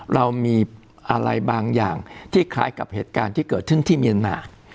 เรามีอะไรบางอย่างที่คล้ายกับเหตุการณ์ที่เกิดขึ้นที่เมียนมา